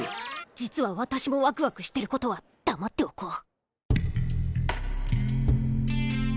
実は私もワクワクしてることは黙っておこう。